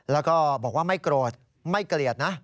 แล้วก็บอกว่าไม่โกรธไม่เกลียดนะ